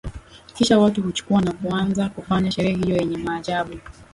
Kisha watu huchukua na kuanza kufanya sherehe hiyo yenye maajabu